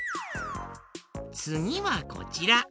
つぎはこちら。